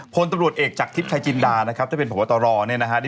พลตำรวจเอกจากทิพย์ชายจินดาที่เป็นผู้ประวัตรรอ